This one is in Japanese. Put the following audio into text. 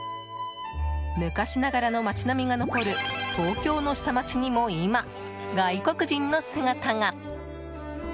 昔ながらの街並みが残る東京の下町にも今、外国人の姿が。